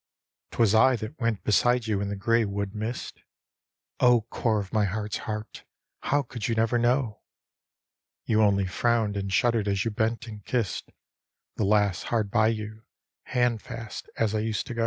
Twas I that went beside you in the gray wood mist (O core of my heart's heart, how could you never know?) You only frowned and sliuddered as you bent and kissed The lass hard by you, handfast, as I used to go.